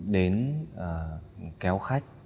đến kéo khách